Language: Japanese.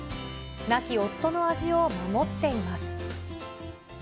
亡き夫の味を守っています。